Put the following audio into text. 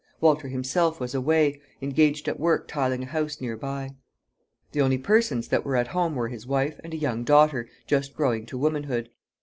Walter himself was away, engaged at work tiling a house nearby. The only persons that were at home were his wife and a young daughter just growing to womanhood.